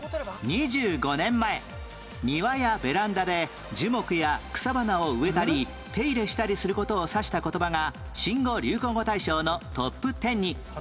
２５年前庭やベランダで樹木や草花を植えたり手入れしたりする事を指した言葉が新語・流行語大賞のトップ１０に